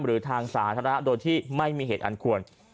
หรือทางสาธารณะโดยที่ไม่มีเหตุอันควร